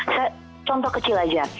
saya contoh kecil saja